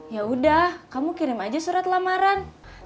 yaudah kamu kirim aja surat lamaran